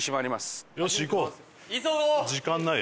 時間ないや。